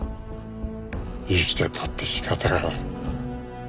生きてたって仕方がない。